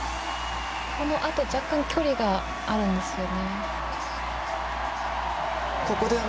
このあと若干距離があるんですよね。